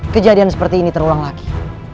kejadian seperti ini terulang lagi